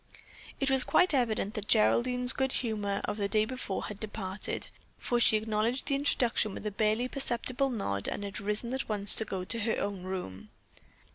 It was quite evident that Geraldine's good humor of the day before had departed, for she acknowledged the introduction with a barely perceptible nod and had risen at once to go to her own room.